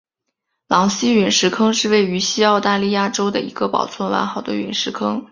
狼溪陨石坑是位于西澳大利亚州一个保存完好的陨石坑。